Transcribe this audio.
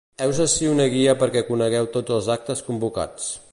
Heus ací una guia perquè conegueu tots els actes convocats.